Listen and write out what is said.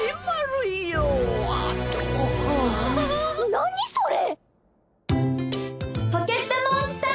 何それ！？